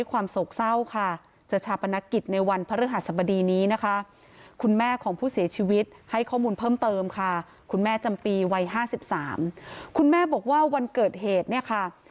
วัย๕๓คุณแม่บอกว่าวันเกิดเหตุเนี่ยค่ะ